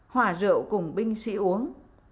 hòa rượu cùng binh sĩ uống